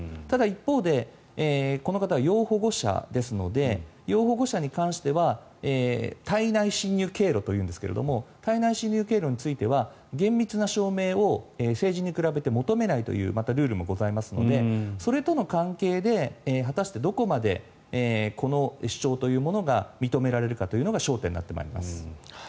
ただ一方でこの方は要保護者なので要保護者に関しては体内侵入経路というんですが体内侵入経路については厳密な証明を成人に比べて求めないというルールもございますのでそれとの関係で果たしてどこまでこの主張というものが認められるかというのが焦点になってまいります。